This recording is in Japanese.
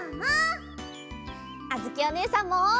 あづきおねえさんも！